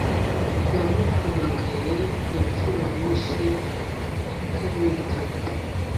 yamuhamagaye inshuro nyinshi atamwitaba